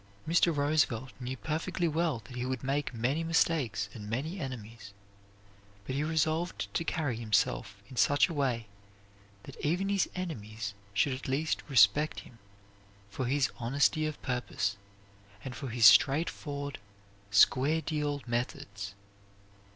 Mr. Roosevelt knew perfectly well that he would make many mistakes and many enemies, but he resolved to carry himself in such a way that even his enemies should at least respect him for his honesty of purpose, and for his straightforward, "square deal" methods.